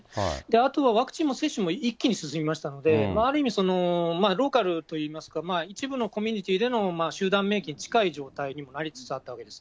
あとはワクチンも接種も一気に進みましたので、ある意味、ローカルといいますか、一部のコミュニティーでの集団免疫に近い状態になりつつあったわけです。